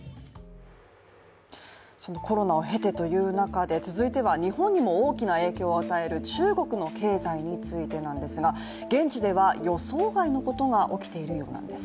そのコロナを経てという中で、続いては日本にも大きな影響を与える中国の経済についてなんですが、現地では予想外のことが起きているようなんです。